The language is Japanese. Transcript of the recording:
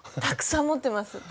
たくさん持ってます。